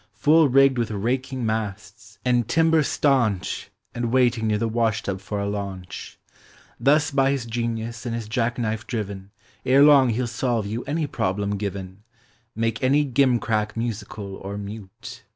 Full rigged with raking masts, and timbers stanch. And waiting near the wash tub for a launch. ■ Thus by his genius and his jack knife driven, Krelong he 'II solve you any problem given ; Make any gimmick musical or mute.